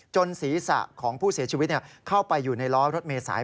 ศีรษะของผู้เสียชีวิตเข้าไปอยู่ในล้อรถเมษาย